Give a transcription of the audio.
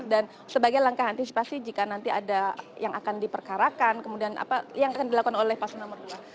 dan sebagai langkah antisipasi jika nanti ada yang akan diperkarakan kemudian apa yang akan dilakukan oleh pasen nomor dua